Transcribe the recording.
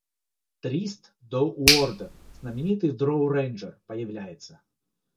Дриззт До'Урден, знаменитый дроу-рейнджер, появляется